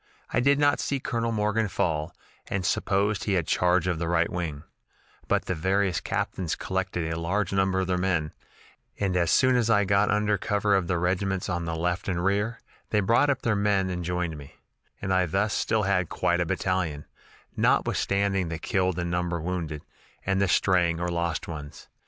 I did not see Colonel Morgan fall, and supposed he had charge of the right wing; but the various captains collected a large number of their men, and as soon as I got under cover of the regiments on the left and rear, they brought their men up and joined me, and I thus had still quite a battalion, notwithstanding the killed and number wounded, and the straying or lost ones.